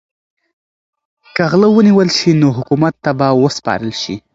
که غله ونیول شي نو حکومت ته به وسپارل شي.